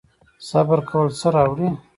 صبر کول څه راوړي؟